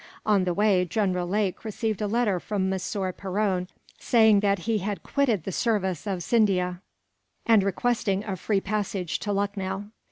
On the way, General Lake received a letter from Monsieur Perron, saying that he had quitted the service of Scindia, and requesting a free passage to Lucknow.